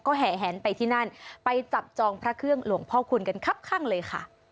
แห่แหนไปที่นั่นไปจับจองพระเครื่องหลวงพ่อคุณกันครับข้างเลยค่ะ